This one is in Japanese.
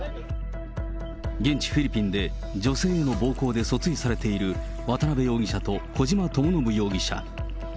現地、フィリピンで女性への暴行で訴追されている、渡辺容疑者と小島智信容疑者。